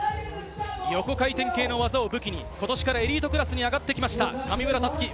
横回転系の技を武器に今年からエリートクラスに上がってきました上村竜生。